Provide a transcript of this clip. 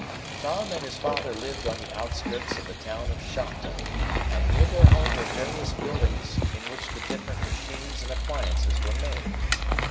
Tom and his father lived on the outskirts of the town of Shopton, and near their home were various buildings in which the different machines and appliances were made.